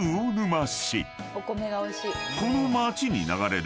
［この町に流れる］